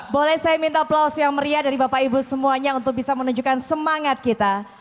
boleh saya minta plaus yang meriah dari bapak ibu semuanya untuk bisa menunjukkan semangat kita